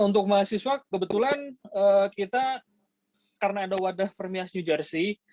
untuk mahasiswa kebetulan kita karena ada wadah permias new jersey